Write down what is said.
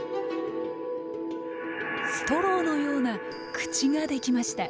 ストローのような口ができました。